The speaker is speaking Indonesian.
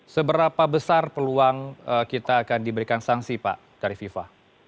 seberapa besar peluang kita akan diberikan sanksi pak dari fifa